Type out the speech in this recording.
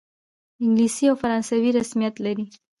انګلیسي او فرانسوي رسمیت لري.